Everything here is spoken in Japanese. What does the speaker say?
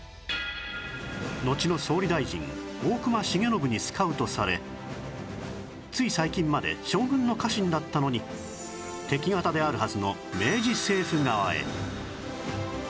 のちの総理大臣大隈重信にスカウトされつい最近まで将軍の家臣だったのに敵方であるはずの明治政府側へ